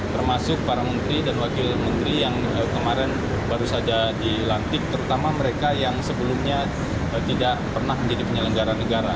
termasuk para menteri dan wakil menteri yang kemarin baru saja dilantik terutama mereka yang sebelumnya tidak pernah menjadi penyelenggara negara